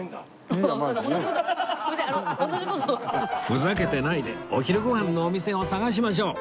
ふざけてないでお昼ご飯のお店を探しましょう